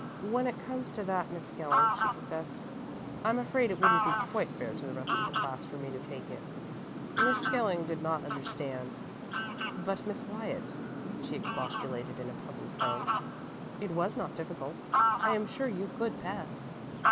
"When it comes to that, Miss Skelling," she confessed, "I'm afraid it wouldn't be quite fair to the rest of the class for me to take it." Miss Skelling did not understand. "But, Miss Wyatt," she expostulated in a puzzled tone, "it was not difficult. I am sure you could pass."